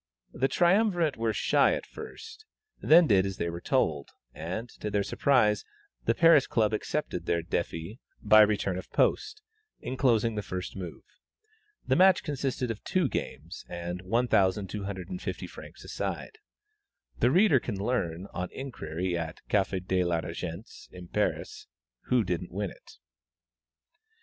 The triumvirate were shy at first, then did as they were told, and, to their surprise, the Paris Club accepted their défi by return of post, enclosing the first move. The match consisted of two games, and 1,250 francs a side; the reader can learn, on inquiry at Café de la Régence in Paris, who didn't win it.